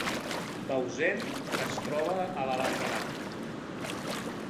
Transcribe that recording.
Bausen es troba a la Val d’Aran